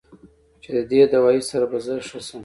چې د دې دوائي سره به زۀ ښۀ شم